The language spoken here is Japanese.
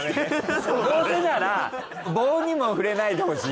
どうせなら棒にも触れないでほしい。